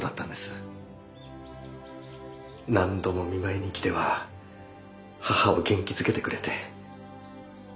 何度も見舞いに来ては母を元気づけてくれて。